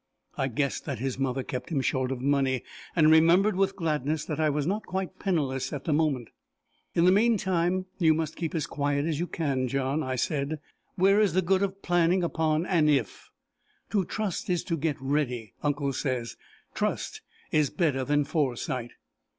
I guessed that his mother kept him short of money, and remembered with gladness that I was not quite penniless at the moment. "In the meantime, you must keep as quiet as you can, John," I said. "Where is the good of planning upon an if? To trust is to get ready, uncle says. Trust is better than foresight."